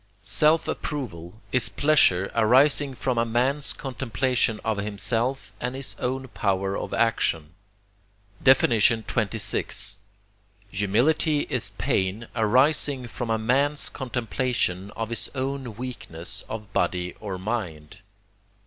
Self approval is pleasure arising from a man's contemplation of himself and his own power of action. XXVI. Humility is pain arising from a man's contemplation of his own weakness of body or mind.